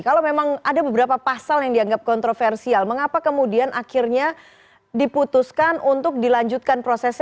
kalau memang ada beberapa pasal yang dianggap kontroversial mengapa kemudian akhirnya diputuskan untuk dilanjutkan prosesnya